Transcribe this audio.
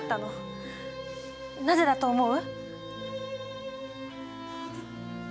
なぜだと思う？